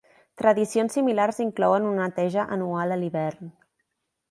Tradicions similars inclouen una neteja anual a l'hivern.